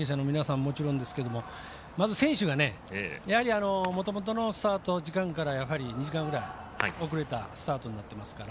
もちろんですけどまず選手がもともとのスタート時間から２時間くらい遅れたスタートになってますから。